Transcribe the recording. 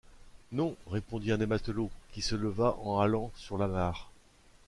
Non, répondit un des matelots, qui se leva en halant sur l’amarre.